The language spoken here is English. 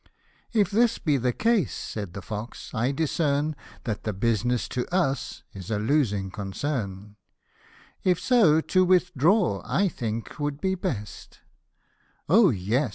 " If this be the case," said the fox, " I discern That the business to us is a losing concern ; If so, to withdraw, I should think would be best ;"" O yes